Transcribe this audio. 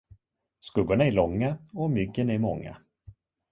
Skuggorna är långa och myggen är många.